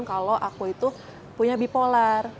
kalau aku itu punya bipolar